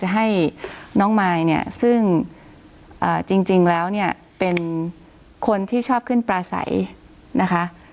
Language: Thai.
ให้น้องมายเนี่ยซึ่งจริงแล้วเนี่ยเป็นคนที่ชอบขึ้นปลาใสนะคะ